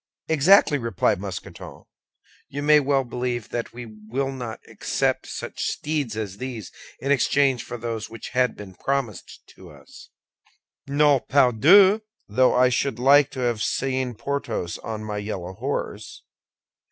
"Exactly!" replied Mousqueton. "You may well believe that we will not accept such steeds as these in exchange for those which had been promised to us." "No, pardieu; though I should like to have seen Porthos on my yellow horse.